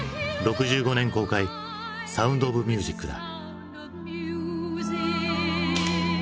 ６５年公開「サウンド・オブ・ミュージック」だ。